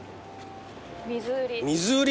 水売り。